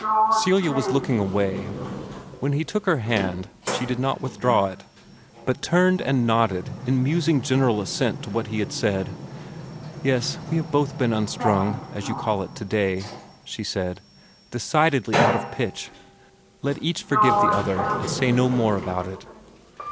Celia was looking away. When he took her hand she did not withdraw it, but turned and nodded in musing general assent to what he had said. "Yes, we have both been unstrung, as you call it, today," she said, decidedly out of pitch. "Let each forgive the other, and say no more about it."